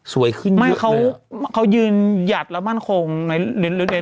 สวยขึ้นเยอะไม่เขาของเขาหยืนหยาดแล้วมั่นคงในในใน